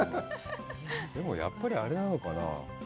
でもやっぱりあれなのかな。